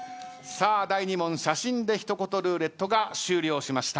第２問写真で一言ルーレットが終了しました。